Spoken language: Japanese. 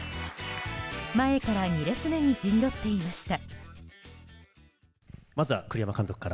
前から２列目に陣取っていました。